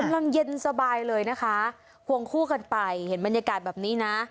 กำลังเย็นสบายเลยนะคะควงคู่กันไปเห็นบรรยากาศแบบนี้นะ